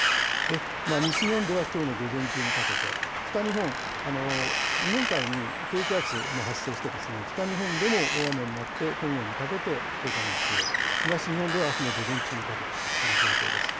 西日本ではきょうの午前中にかけて、北日本、日本海に低気圧も発生して、北日本でも大雨になって、今夜にかけて警戒が必要、東日本ではあすの午前中にかけてという状況です。